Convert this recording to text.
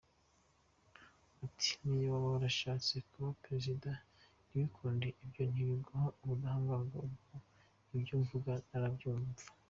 Ati “Niyo waba warashatse kuba Perezida ntibikunda ibyo ntibiguha ubudahangarwa, ubwo ibyo mvuga murabyumva.